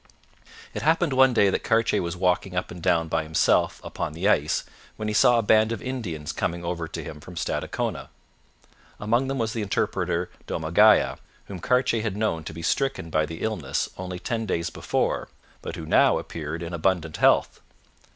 It happened one day that Cartier was walking up and down by himself upon the ice when he saw a band of Indians coming over to him from Stadacona. Among them was the interpreter Domagaya, whom Cartier had known to be stricken by the illness only ten days before, but who now appeared in abundant health.